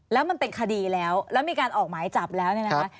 แล้วมันเป็นคดีแล้วแล้วมีการออกหมายจับแล้วเนี่ยนะคะ